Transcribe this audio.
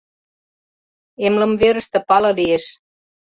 Эмлымверыште пале лиеш...